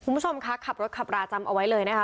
คุณผู้ชมคะขับรถขับราจำเอาไว้เลยนะคะ